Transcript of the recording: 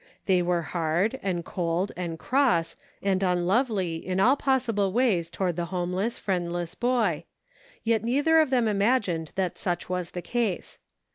They were hard, and cold, and cross, and un lovely in all possible ways toward the homeless, friendless boy ; yet neither of them imagined that such was the case.